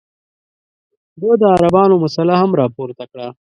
ده د عربانو مسله هم راپورته کړه.